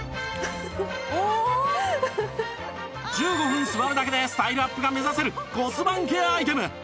１５分座るだけでスタイルアップが目指せる骨盤ケアアイテム